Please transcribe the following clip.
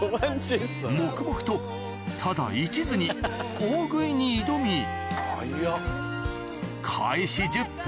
黙々とただいちずに大食いに挑み早っ。